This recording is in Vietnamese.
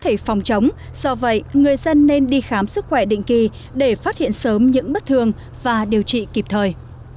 và bệnh có thể phòng chống do vậy người dân nên đi khám sức khỏe định kỳ để phát hiện sớm những bất thương và điều trị kịp thời